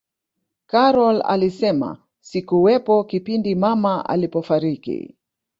karol alisema sikuwepo kipindi mama alipofariki